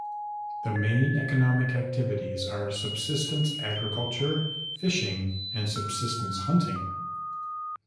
The main economic activities are subsistence agriculture, fishing and subsistence hunting.